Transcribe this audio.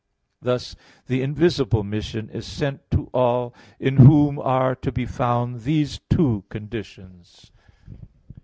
Thus the invisible mission is sent to all in whom are to be found these two conditions.